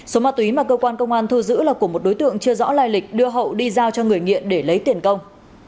số ma túy mà cơ quan công an thu giữ là của một đối tượng chưa rõ lai lịch đưa hậu đi giao cho người nghiện để lấy tiền công